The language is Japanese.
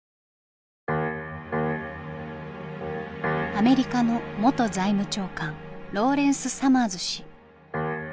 アメリカの元財務長官ローレンス・サマーズ氏。